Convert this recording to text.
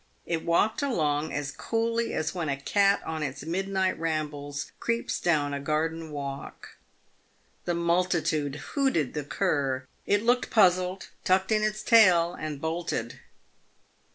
It walked along as coolly as when a cat on its midnight rambles creeps down a garden walk. The multitude hooted the cur. It looked puzzled, tucked in his tail, and bolted.